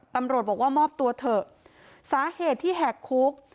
ตำรวจบอกว่ามอบตัวเถอะสาเหตุที่แหกคุก